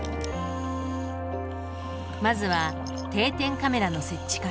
まずは定点カメラの設置から。